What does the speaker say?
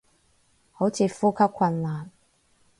好似呼吸困難